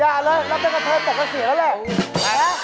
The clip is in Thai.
แหมแล้วกรีบมือมาแต่ใกล้นี้เลย